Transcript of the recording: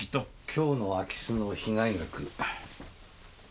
今日の空き巣の被害額。